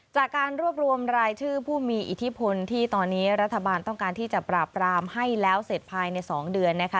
จากการรวบรวมรายชื่อผู้มีอิทธิพลที่ตอนนี้รัฐบาลต้องการที่จะปราบรามให้แล้วเสร็จภายใน๒เดือนนะคะ